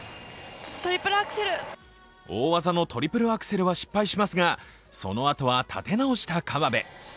大技のトリプルアクセルは失敗しますがそのあとは立て直した河辺。